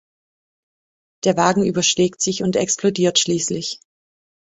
Der Wagen überschlägt sich und explodiert schließlich.